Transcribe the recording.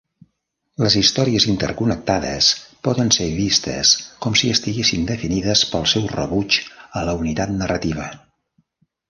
Les històries interconnectades poden ser vistes com si estiguessin definides pel seu rebuig a la unitat narrativa.